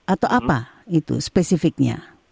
atau apa itu spesifiknya